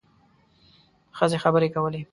ښځې خبرې کولې.